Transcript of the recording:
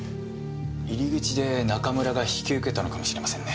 入り口で中村が引き受けたのかもしれませんね。